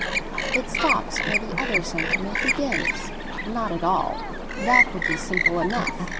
"It stops where the other sentiment begins." "Not at all—that would be simple enough.